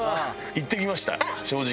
行ってきました正直。